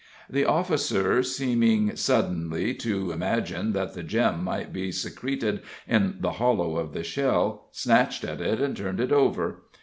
The officer, seeming suddenly to imagine that the gem might be secreted in the hollow of the shell, snatched at it and turned it over.